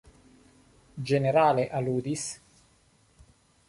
Ĝenerale, aludis?